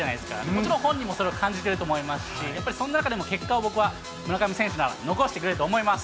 もちろん、本人もそれを感じていると思いますし、やっぱりその中でも結果を、僕は村上選手なら残してくれると思います。